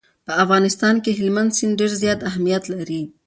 په افغانستان کې هلمند سیند ډېر زیات اهمیت لري.